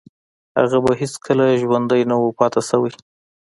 هغه به هیڅکله ژوندی نه و پاتې شوی